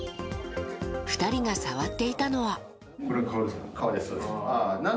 ２人が触っていたのは。